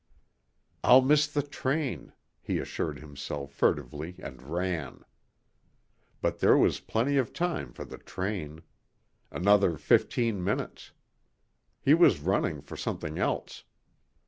"I'll miss the train," he assured himself furtively and ran. But there was plenty of time for the train. Another fifteen minutes. He was running for something else.